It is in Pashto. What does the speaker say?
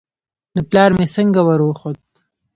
نو پلار مې څنگه وروخوت.